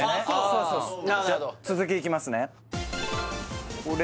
そうそう続きいきますねああ